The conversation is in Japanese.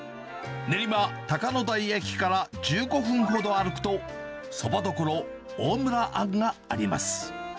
練馬高野台駅から１５分ほど歩くと、そば処、大村庵があります。